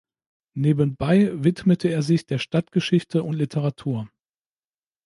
Nebenbei widmete er sich der Stadtgeschichte und Literatur.